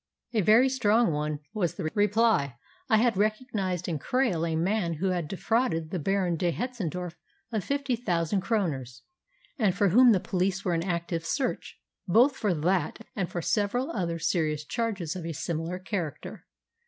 "A very strong one," was the reply. "I had recognised in Krail a man who had defrauded the Baron de Hetzendorf of fifty thousand kroners, and for whom the police were in active search, both for that and for several other serious charges of a similar character.